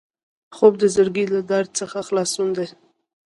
خوب د زړګي له درد څخه خلاصون دی